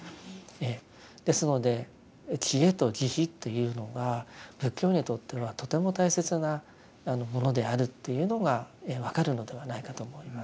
ですので智慧と慈悲というのが仏教にとってはとても大切なものであるというのが分かるのではないかと思います。